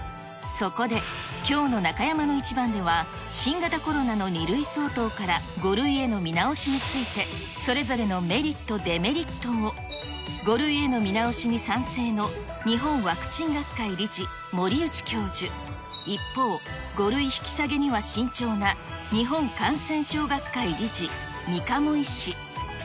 そこで、きょうの中山のイチバンでは、新型コロナの２類相当から５類への見直しについて、それぞれのメリット、デメリットを、５類への見直しに賛成の日本ワクチン学会理事、森内教授、一方、５類引き下げには慎重な日本感染症学会理事、三鴨医師。